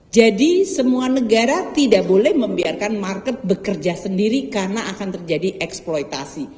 jadi semua negara tidak boleh membiarkan market bekerja sendiri karena akan terjadi eksploitasi